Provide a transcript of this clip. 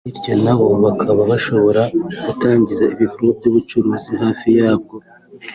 bityo nabo bakaba bashobora gutangiza ibikorwa by’ubucuruzi hafi yabwo